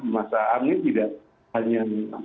masa angin tidak hanya